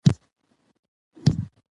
ښوونکي وویل چې اصلاح ضروري ده.